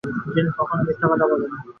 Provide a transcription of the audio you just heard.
ঝিনুক কখনও মিথ্যা বলে না।